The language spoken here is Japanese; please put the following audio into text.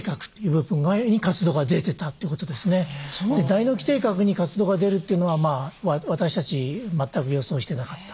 大脳基底核に活動が出るっていうのは私たち全く予想してなかった。